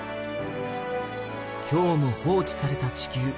今日も放置された地球。